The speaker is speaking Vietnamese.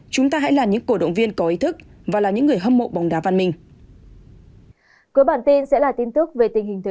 chúng ta hãy là những cổ động viên có ý thức và là những người hâm mộ bóng đá văn minh